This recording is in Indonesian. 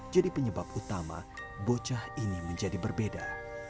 jadi penyebab utama bocah ini menjadi berbeda